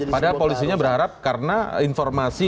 padahal polisinya berharap karena informasi